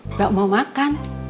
enggak mau makan